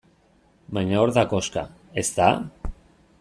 Baina hor da koxka, ezta?